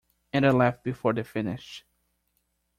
And I left before the finish.